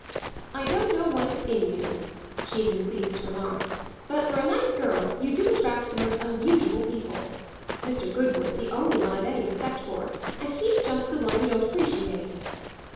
"I don't know what it's in you," she had been pleased to remark, "but for a nice girl you do attract the most unnatural people. Mr. Goodwood's the only one I've any respect for, and he's just the one you don't appreciate."